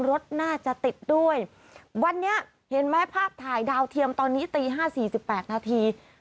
รถน่าจะติดด้วยวันนี้เห็นไหมภาพถ่ายดาวเทียมตอนนี้ตี๕๔๘นาที